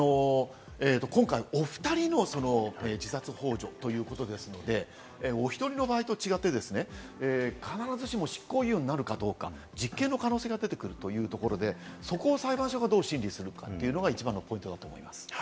今回、おふたりの自殺ほう助ということですので、おひとりの場合と違って、必ずしも執行猶予になるかどうか、実刑の可能性が出てくるというところで、そこを裁判所がどう審理するかというのが一番のポイントだと思います。